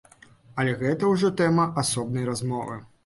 Але гэта ўжо тэма асобнай размовы.